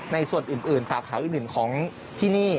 ในส่วนอื่นสาขาอื่นของที่นี่